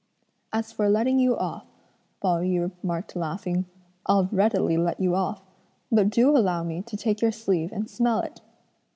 "As for letting you off," Pao yü remarked laughing, "I'll readily let you off, but do allow me to take your sleeve and smell it!"